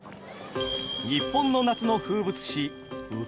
日本の夏の風物詩鵜飼漁。